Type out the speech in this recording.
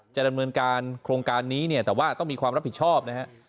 จะดำเนินการโครงการนี้เนี่ยแต่ว่าต้องมีความรับผิดชอบนะฮะ